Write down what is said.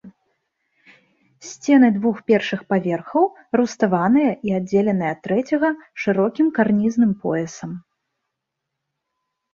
Сцены двух першых паверхаў руставаныя і аддзеленыя ад трэцяга шырокім карнізным поясам.